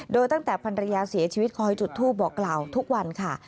โดยตั้งแต่ภรรยาเสียชีวิตคอยจุดทูปบอกกล่าวทุกวันค่ะ